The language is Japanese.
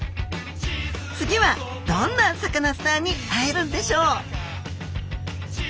次はどんなサカナスターに会えるんでしょう